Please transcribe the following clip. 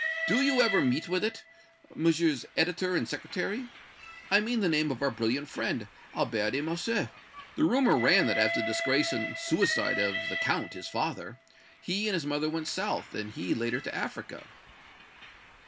Do you ever meet with it, Messrs. editor and Secretary I mean the name of our brilliant friend, Albert de Morcerf? The rumor ran that, after the disgrace and suicide of the Count, his father, he and his mother went south, and he later to Africa."